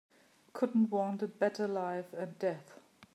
Couldn't want a better life and death.